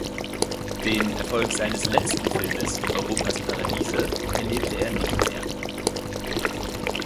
Den Erfolg seines letzten Filmes "Europas Paradiese" erlebte er nicht mehr.